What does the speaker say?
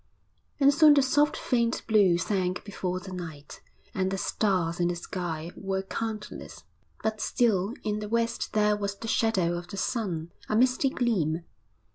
And soon the soft faint blue sank before the night, and the stars in the sky were countless; but still in the west there was the shadow of the sun, a misty gleam.